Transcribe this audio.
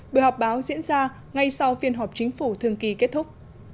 buổi họp báo diễn ra ngay sau phiên họp chính phủ thường kỳ kết thúc